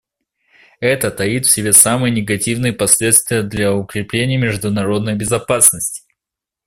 Это таит в себе самые негативные последствия для укрепления международной безопасности.